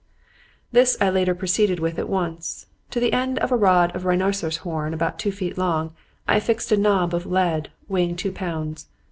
"This latter I proceeded with at once. To the end of a rod of rhinoceros horn about two feet long I affixed a knob of lead weighing two pounds.